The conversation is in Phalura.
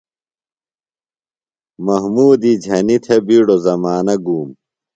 محمودی جھنیۡ تھےۡ بِیڈوۡ زمانہ گُوم۔